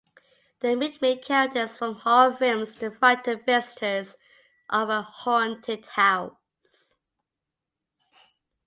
They mimicked characters from horror films to frighten visitors of a 'haunted house'.